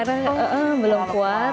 karena belum kuat